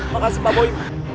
makasih pak boy